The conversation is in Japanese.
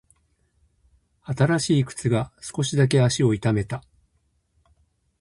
新しい靴が少しだけ足を痛めた。